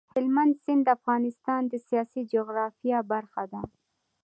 هلمند سیند د افغانستان د سیاسي جغرافیه برخه ده.